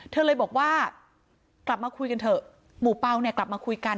เธอเลยบอกว่ากลับมาคุยกันเถอะหมู่เป่าเนี่ยกลับมาคุยกัน